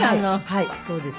はいそうです。